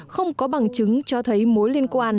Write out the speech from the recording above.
không có bằng chứng cho thấy mối liên quan